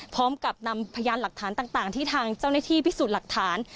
พร้อมกับนำพยานหลักฐานต่างที่ทางเจ้าหน้าที่พิสูจน์หลักฐาน